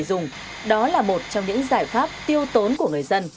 nước để dùng đó là một trong những giải pháp tiêu tốn của người dân